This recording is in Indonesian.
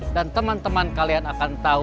dan teman teman kalian akan tahu